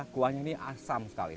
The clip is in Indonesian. kuahnya asam sekali